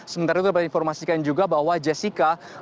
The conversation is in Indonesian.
sementara itu dapat informasikan juga bahwa jessica